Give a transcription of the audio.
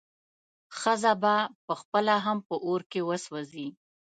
ښځه به پخپله هم په اور کې وسوځي.